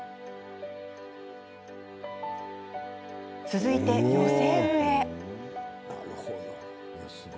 続いて、寄せ植え。